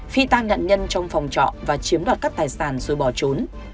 phi tan nạn nhân trong phòng trọ và chiếm đoạt các tài sản rồi bỏ trốn